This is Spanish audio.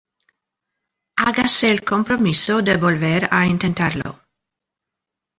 hágase el compromiso de volver a intentarlo